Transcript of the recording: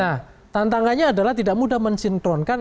nah tantangannya adalah tidak mudah mensinkronkan